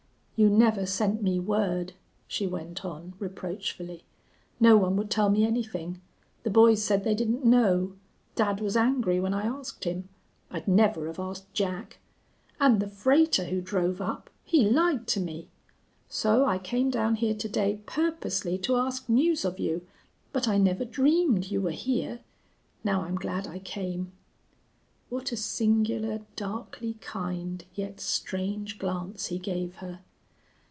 "You never sent me word," she went on, reproachfully. "No one would tell me anything. The boys said they didn't know. Dad was angry when I asked him. I'd never have asked Jack. And the freighter who drove up he lied to me. So I came down here to day purposely to ask news of you, but I never dreamed you were here.... Now I'm glad I came." What a singular, darkly kind, yet strange glance he gave her!